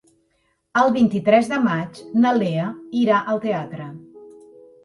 El vint-i-tres de maig na Lea irà al teatre.